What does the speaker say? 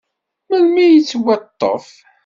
Melmi i yettwaṭṭef?